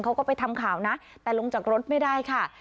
เขาก็ไปทำข่าวนะแต่ลงจากรถไม่ได้ค่ะ